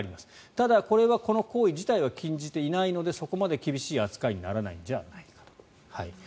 ただこれはこの行為自体は禁じていないのでそこまで厳しい扱いにならないんじゃないかと。